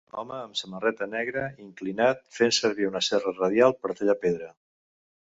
Home amb samarreta negre inclinat fent servir una serra radial per tallar pedra.